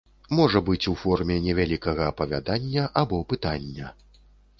Можа быць у форме невялікага апавядання або пытання.